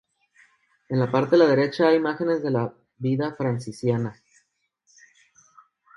En la parte de la derecha hay imágenes de la vida franciscana.